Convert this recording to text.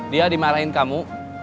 dia dimarahin kamu